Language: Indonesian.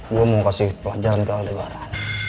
gue mau kasih pelajaran ke aldebaran